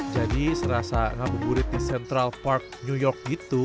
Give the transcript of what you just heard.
jadi serasa ngaburit di central park new york gitu